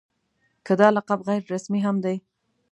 که دا لقب غیر رسمي هم دی.